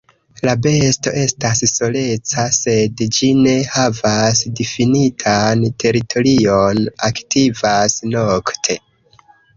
La besto estas soleca, sed ĝi ne havas difinitan teritorion, aktivas nokte.